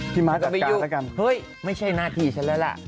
พี่มาตรการด้วยกันเฮ้ยไม่ใช่หน้าที่ฉันแล้วล่ะ